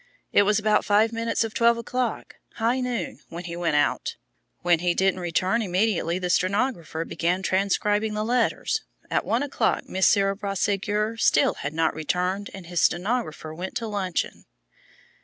It was about five minutes of twelve o'clock high noon when he went out. When he didn't return immediately the stenographer began transcribing the letters. At one o'clock Monsieur Boisségur still had not returned and his stenographer went to luncheon."